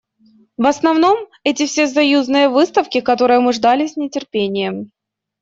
В основном, эти Всесоюзные выставки, которые мы ждали с нетерпением.